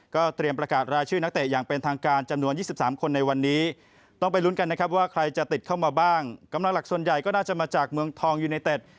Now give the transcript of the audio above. กำหนดหลักส่วนใหญ่ก็น่าจะมาจากเมืองทองยูไนเตด